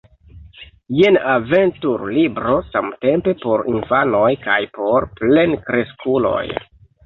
Jen aventur-libro samtempe por infanoj kaj por plenkreskuloj.